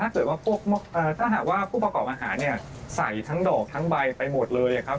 ถ้าหากว่าผู้ประกอบอาหารเนี่ยใส่ทั้งดอกทั้งใบไปหมดเลยครับ